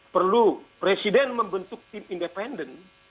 perlu presiden membentuk tim independen